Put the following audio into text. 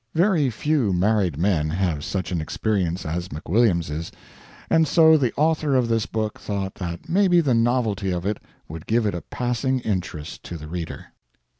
[Very few married men have such an experience as McWilliams's, and so the author of this book thought that maybe the novelty of it would give it a passing interest to the reader.